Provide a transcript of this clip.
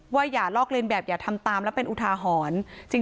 อย่าลอกเลียนแบบอย่าทำตามและเป็นอุทาหรณ์